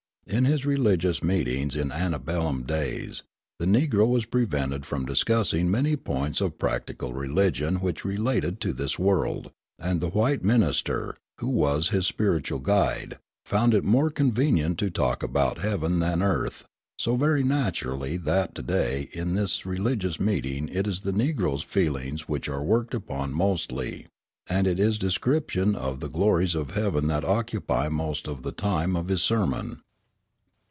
In his religious meetings in ante bellum days the Negro was prevented from discussing many points of practical religion which related to this world; and the white minister, who was his spiritual guide, found it more convenient to talk about heaven than earth, so very naturally that to day in his religious meeting it is the Negro's feelings which are worked upon mostly, and it is description of the glories of heaven that occupy most of the time of his sermon.